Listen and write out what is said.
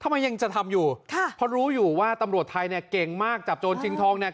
ยังจะทำอยู่ค่ะเพราะรู้อยู่ว่าตำรวจไทยเนี่ยเก่งมากจับโจรชิงทองเนี่ย